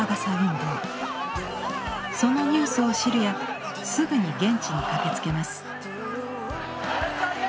そのニュースを知るやすぐに現地に駆けつけます。